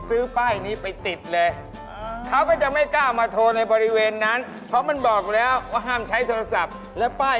อยู่มีศุกร์เลยศุกร์ทั้งหลังเลยไหม้หมดเลย